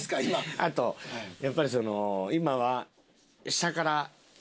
あとやっぱりその今は下から行きましたね。